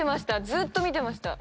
ずっと見てました。